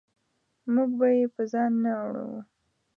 موږ به یې په ځان نه اړوو.